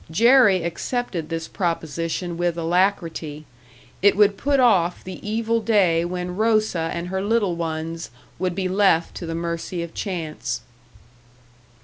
Jerry accepted this proposition with alacrity; it would put off the evil day when Rosa and her little ones would be left to the mercy of chance.